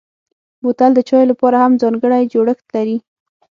بوتل د چايو لپاره هم ځانګړی جوړښت لري.